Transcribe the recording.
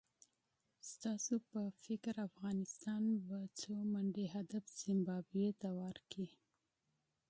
ستاسو په فکر افغانستان به څو منډي هدف زیمبابوې ته ورکړي؟